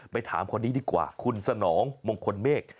ถามคนนี้ดีกว่าคุณสนองมงคลเมฆ